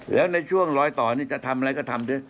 แล้วในช่วงรอยต่อนี่จะทำอะไรก็ทำด้วย